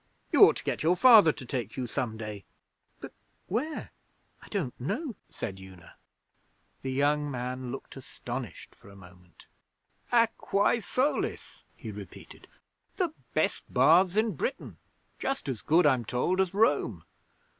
You ought to get your Father to take you some day.' 'But where? I don't know,' said Una. The young man looked astonished for a moment. 'Aquae Solis,' he repeated. 'The best baths in Britain. just as good, I'm told, as Rome.